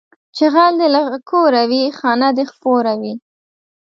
چې غل دې له کوره وي، خانه دې خپوره وي